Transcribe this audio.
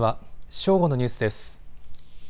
正午のニュースです。